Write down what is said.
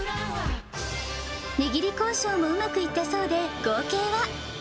値切り交渉もうまくいったそうで、合計は。